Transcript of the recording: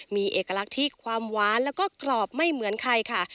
มีเอกลักษณ์ที่ความหวานแล้วก็กรอบไม่เหมือนใครค่ะ